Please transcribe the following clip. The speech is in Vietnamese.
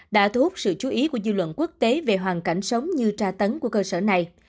đã thu hút sự chú ý của dư luận quốc tế về hoàn cảnh sống như tra tấn của cơ sở này